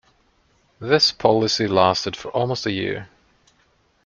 This policy lasted for almost a year.